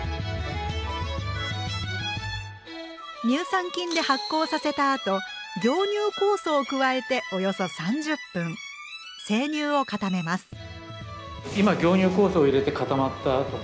乳酸菌で発酵させたあと凝乳酵素を加えておよそ３０分生乳を固めます。